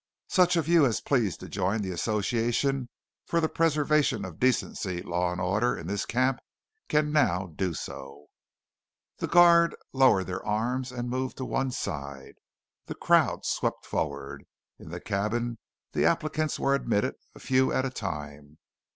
Such of you as please to join the association for the preservation of decency, law, and order in this camp can now do so." The guard lowered their arms and moved to one side. The crowd swept forward. In the cabin the applicants were admitted a few at a time.